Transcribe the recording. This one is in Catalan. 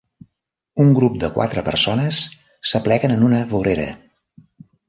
Un grup de quatre persones s'apleguen en una vorera.